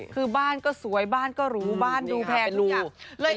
คือบ้านก็สวยบ้านก็หรูบ้านดูแพงทุกอย่าง